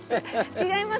違います